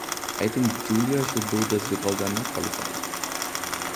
I think Julia should do this because I'm not qualified.